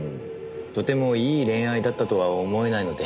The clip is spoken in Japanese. とてもいい恋愛だったとは思えないので。